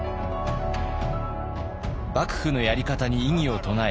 幕府のやり方に異議を唱え